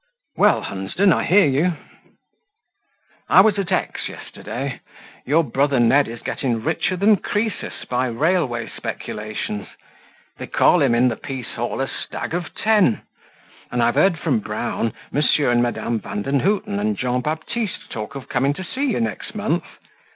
"Well, Hunsden? I hear you " "I was at X yesterday! your brother Ned is getting richer than Croesus by railway speculations; they call him in the Piece Hall a stag of ten; and I have heard from Brown. M. and Madame Vandenhuten and Jean Baptiste talk of coming to see you next month.